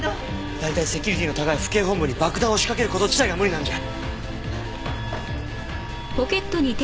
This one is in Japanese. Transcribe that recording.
大体セキュリティーの高い府警本部に爆弾を仕掛ける事自体が無理なんじゃ。